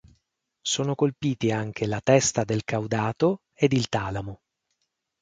Sono colpiti anche la testa del caudato ed il talamo.